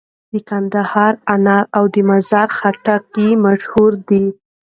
د کندهار انار او د مزار خټکي مشهور دي.